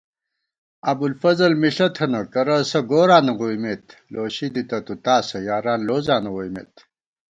ابُوالفضل مِݪہ تھنہ کرہ اسہ گوراں نہ ووئیمېت * لوشی دِتہ تُو تاسہ یاران لوزاں نہ ووئیمېت